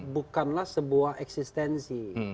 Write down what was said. bukanlah sebuah eksistensi